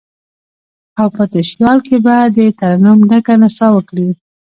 او په تشیال کې به، دترنم ډکه نڅا وکړي